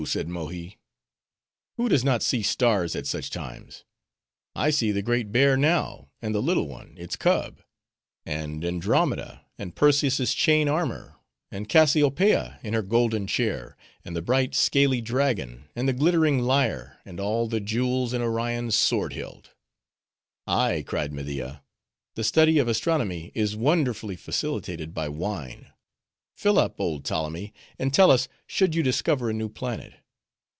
said Mohi, "who does not see stars at such times? I see the Great Bear now, and the little one, its cub; and Andromeda, and Perseus' chain armor, and Cassiopea in her golden chair, and the bright, scaly Dragon, and the glittering Lyre, and all the jewels in Orion's sword hilt." "Ay," cried Media, "the study of astronomy is wonderfully facilitated by wine. Fill up, old Ptolemy, and tell us should you discover a new planet.